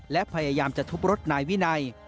และพยายามจะทุบรถนายวินัย